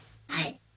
はい。